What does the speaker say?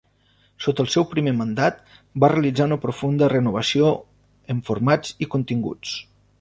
Sota el seu primer mandat va realitzar una profunda renovació en formats i continguts.